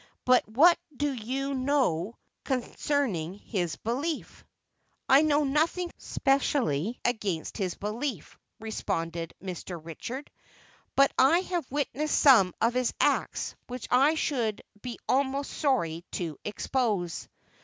But what do you know concerning his belief?" "I know nothing specially against his belief," responded Mr. Richard; "but I have witnessed some of his acts, which I should be almost sorry to expose."